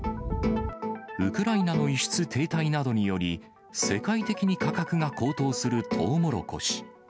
ウクライナの輸出停滞などにより、世界的に価格が高騰するトウモロコシ。